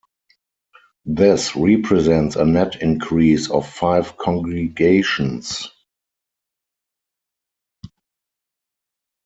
This represents a net increase of five congregations.